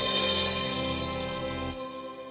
aku bisa menunjukkan kepadamu hal yang paling luar biasa